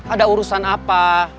ada urusan apa